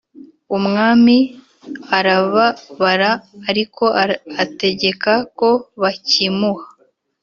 Umwami arababara ariko ategeka ko bakimuha